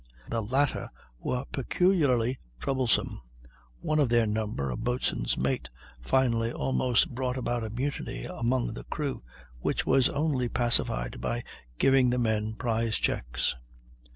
The latter were peculiarly troublesome; one of their number, a boatswain's mate, finally almost brought about a mutiny among the crew which was only pacified by giving the men prize checks.